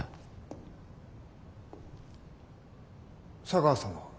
茶川さんは？